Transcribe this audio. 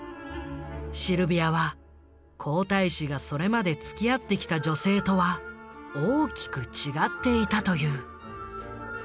シルビアは皇太子がそれまでつきあってきた女性とは大きく違っていたという。